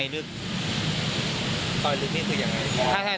ซอยลึกนี้คืออย่างไร